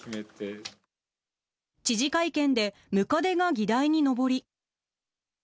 知事会見でムカデが議題に上り。